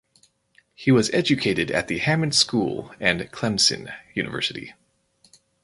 He was educated at the Hammond School and Clemson University.